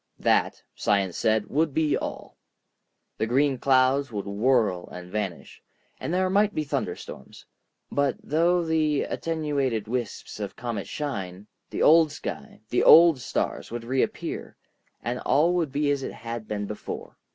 That, science said, would be all. The green clouds would whirl and vanish, and there might be thunderstorms. But through the attenuated wisps of comet shine, the old sky, the old stars, would reappear, and all would be as it had been before.